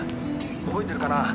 覚えてるかな？